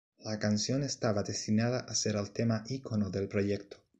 La canción estaba destinada a ser el tema ícono del proyecto.